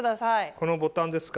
このボタンですか？